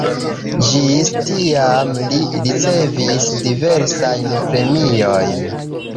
Ĝis tiam li ricevis diversajn premiojn.